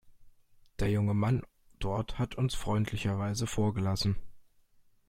Der junge Mann dort hat uns freundlicherweise vorgelassen.